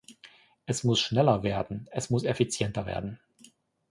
Es muss schneller werden, es muss effizienter werden.